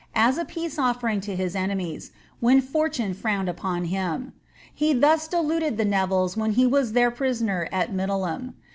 as a peace oflfering to his enemies, when fortune frowned upon him. He thus deluded the NeviUes when he was their prisoner at Middleham.